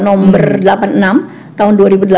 nomor delapan puluh enam tahun dua ribu delapan belas